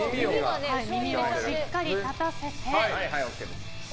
耳をしっかり立たせて。